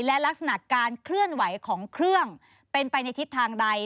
และลักษณะการเคลื่อนไหวของเครื่องเป็นไปในทิศทางใด